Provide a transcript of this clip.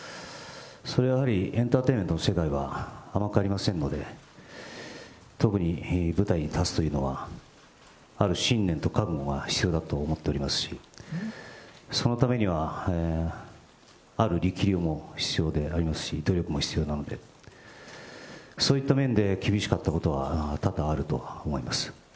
それはやはり、エンターテインメントの世界は甘くありませんので、特に、舞台に立つというのは、ある信念と覚悟が必要だと思っておりますし、そのためにはある力量も必要でありますし、努力も必要なので、そういった面で厳しかったことは多々あると思います。